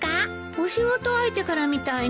お仕事相手からみたいね。